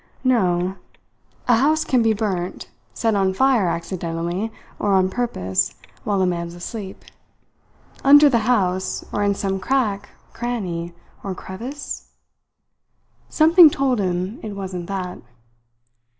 No. A house can be burnt set on fire accidentally, or on purpose, while a man's asleep. Under the house or in some crack, cranny, or crevice? Something told him it wasn't that.